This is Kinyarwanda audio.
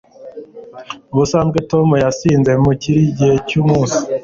ubusanzwe tom yasinze muriki gihe cyumunsi